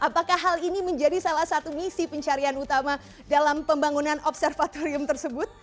bagaimana dengan misi pencarian utama dalam pembangunan observatorium tersebut